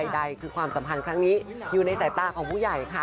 ใดคือความสัมพันธ์ครั้งนี้อยู่ในสายตาของผู้ใหญ่ค่ะ